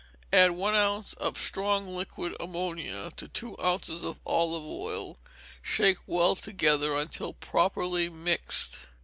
Add one ounce of strong liquid ammonia to two ounces of olive oil, shake well together until properly mixed.